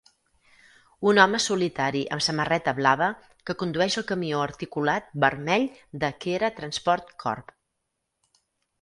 Un home solitari amb samarreta blava que condueix el camió articulat vermell de Khera Transport Corp.